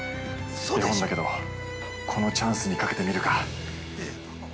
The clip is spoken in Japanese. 絵本だけど、このチャンスにかけてみるか。